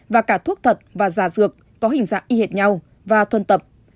và cả thuốc thật và giả dược có hình dạng y hệt nhau và thuần tập